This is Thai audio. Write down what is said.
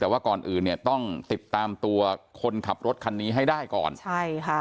แต่ว่าก่อนอื่นเนี่ยต้องติดตามตัวคนขับรถคันนี้ให้ได้ก่อนใช่ค่ะ